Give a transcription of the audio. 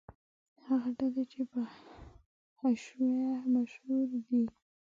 هغه ډلې چې په حشویه مشهورې دي.